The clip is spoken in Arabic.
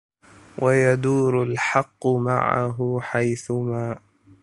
ويدور الحق معه حيثما